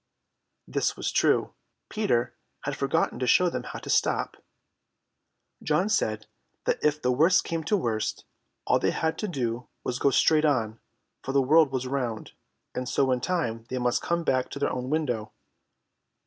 This was true, Peter had forgotten to show them how to stop. John said that if the worst came to the worst, all they had to do was to go straight on, for the world was round, and so in time they must come back to their own window.